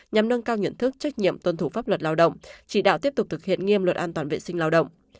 nhằm nâng cao nhận thức trách nhiệm tuân thủ pháp luật lao động chỉ đạo tiếp tục thực hiện nghiêm luật an toàn vệ sinh lao động